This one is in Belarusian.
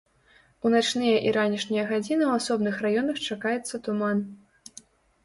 У начныя і ранішнія гадзіны ў асобных раёнах чакаецца туман.